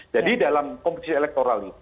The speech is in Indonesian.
jadi dalam kompetisi elektorali